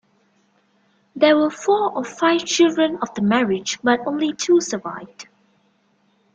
There were four or five children of the marriage, but only two survived.